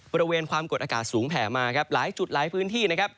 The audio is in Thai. บริเวณความกดอากาศสูงแผ่มาครับหลายจุดหลายพื้นที่นะครับ